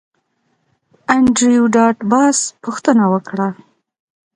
انډریو ډاټ باس پوښتنه وکړه